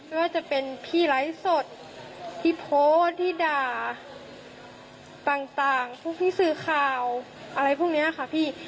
ว่าจะเป็นพี่ไลฟ์สดที่โพสต์ที่ด่าต่างพวกพี่สื่อข่าวอะไรพวกนี้ค่ะพี่